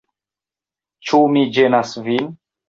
Ĉu mi ĝenas vin?